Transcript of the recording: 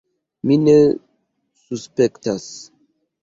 Mi ne suspektas.